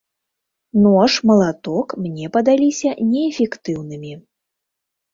Нож, малаток мне падаліся неэфектыўнымі.